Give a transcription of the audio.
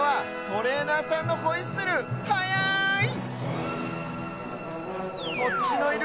トレーナーさんのホイッスルチェアすごい！